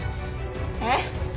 えっ？